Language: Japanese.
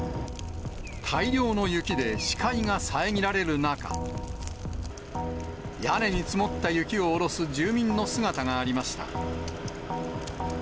大量の雪で視界が遮られる中、屋根に積もった雪を下ろす住民の姿がありました。